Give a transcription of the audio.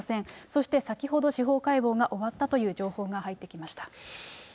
そして先ほど、司法解剖が終わったという情報が入ってきました。